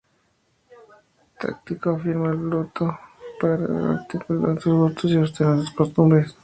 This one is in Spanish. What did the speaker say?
Tácito afirma que Plauto era anticuado en sus gustos y austero en sus costumbres.